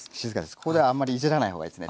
ここではあんまりいじらない方がいいですね。